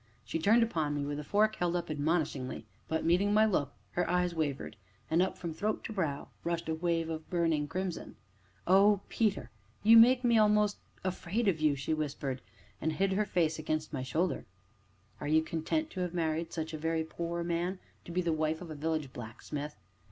She turned upon me with a fork held up admonishingly, but, meeting my look, her eyes wavered, and up from throat to brow rushed a wave of burning crimson. "Oh, Peter! you make me almost afraid of you," she whispered, and hid her face against my shoulder. "Are you content to have married such a very poor man to be the wife of a village blacksmith?"